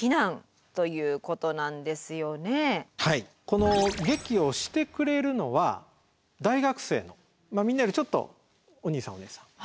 この劇をしてくれるのは大学生のみんなよりちょっとおにいさんおねえさん。